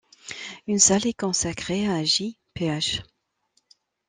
Une salle est consacrée à J-Ph.